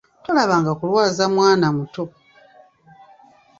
Tolabanga kulwaza mwana muto!